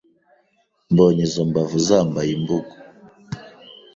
Mbonye izo mbavu zambaye imbugu